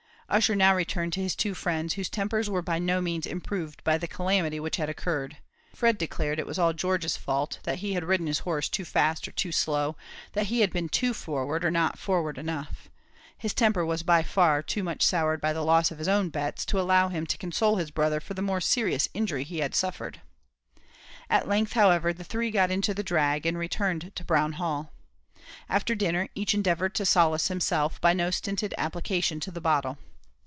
Ussher now returned to his two friends, whose tempers were by no means improved by the calamity which had occurred. Fred declared it was all George's fault that he had ridden his horse too fast or too slow that he had been too forward, or not forward enough. His temper was by far too much soured by the loss of his own bets, to allow him to console his brother for the more serious injury he had suffered. At length, however, the three got into the drag, and returned to Brown Hall. After dinner, each endeavoured to solace himself by no stinted application to the bottle.